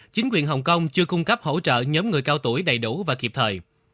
chính quyền hồng kông chưa cung cấp hỗ trợ nhóm người cao tuổi đầy đủ và kịp thời